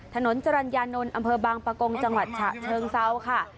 ถนนจรรยานนท์อำเภอบางปะกงจังหวัดฉะเชิงเซาค่ะ